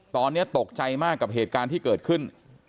ตอนนี้ตกใจมากกับเหตุการณ์ที่เกิดขึ้น